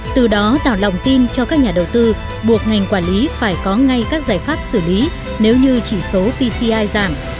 từ đó tạo lòng tin cho các nhà đầu tư buộc ngành quản lý phải có ngay các giải pháp xử lý nếu như chỉ số pci giảm